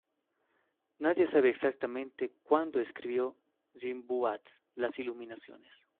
Nadie sabe exactamente cuándo escribió Rimbaud "Las Iluminaciones".